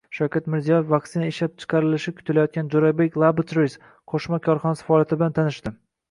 Shavkat Mirziyoyev vaksina ishlab chiqarilishi kutilayotgan Jurabek Laboratories qo‘shma korxonasi faoliyati bilan tanishdi